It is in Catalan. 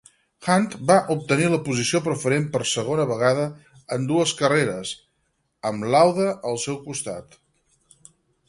Hunt va obtenir la posició preferent per segona vegada en dues carreres, amb Lauda al seu costat.